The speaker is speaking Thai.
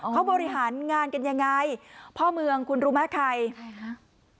เขาบริหารงานกันยังไงพ่อเมืองคุณรู้ไหมใครใครคะ